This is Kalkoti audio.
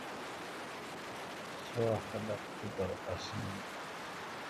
سوا خلق تو پر ہسان۔